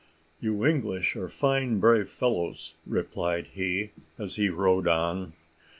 "You English are fine brave fellows," replied he, as he rode on.